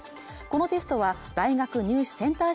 このテストは大学入試センター